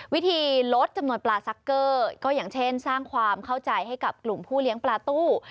วิธีลดจำนวนปลาซักเกอร์ก็อย่างเช่นสร้างความเข้าใจให้กับกลุ่มผู้เลี้ยงปลาตู้